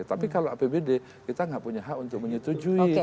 tapi kalau apbd kita nggak punya hak untuk menyetujui